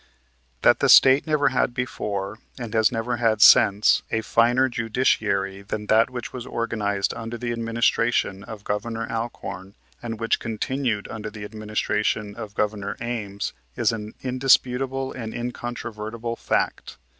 That the State never had before, and has never had since, a finer Judiciary than that which was organized under the administration of Governor Alcorn and which continued under the administration of Governor Ames is an indisputable and incontrovertible fact.